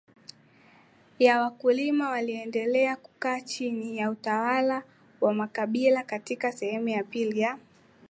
ya wakulima waliendelea kukaa chini ya utawala wa makabailaKatika sehemu ya pili ya